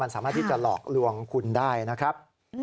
สามารถที่จะหลอกลวงคุณได้นะครับ